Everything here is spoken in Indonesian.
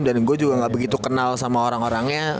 dan gue juga gak begitu kenal sama orang orangnya